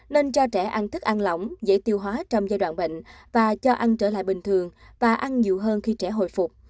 nên cho trẻ ăn thức ăn lỏng dễ tiêu hóa trong giai đoạn bệnh và cho ăn trở lại bình thường và ăn nhiều hơn khi trẻ hồi phục